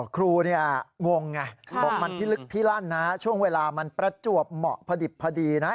ครูเนี่ยงงไงบอกมันพิลึกพิลั่นนะช่วงเวลามันประจวบเหมาะพอดิบพอดีนะ